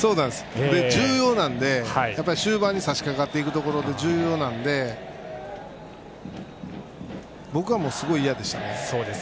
終盤にさしかかってくるところで重要なので僕はすごい嫌でしたね。